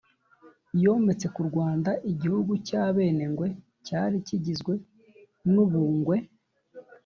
yometse ku rwanda igihugu cy'abenengwe cyari kigizwe n'u bungwe